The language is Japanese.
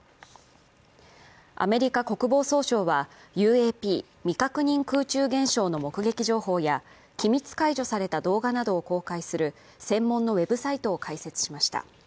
アメリカ国防総省は、ＵＡＰ＝未確認空中現象の目撃情報や機密解除された動画などを公開する専門のウェブサイトを開設しました。